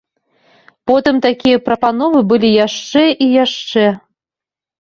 Потым такія прапановы былі яшчэ і яшчэ.